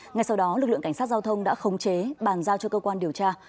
ngay sau đó lực lượng cảnh sát giao thông đã khống chế bàn giao cho cơ quan điều tra